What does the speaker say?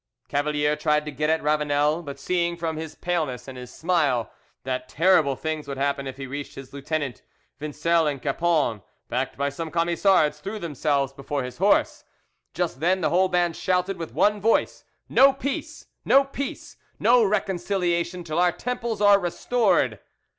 Cavalier tried to get at Ravanel, but seeing from his paleness and his smile that terrible things would happen if he reached his lieutenant, Vincel and Cappon, backed by some Camisards, threw themselves before his horse. Just then the whole band shouted with one voice, "No peace! no peace! no reconciliation till our temples are restored!"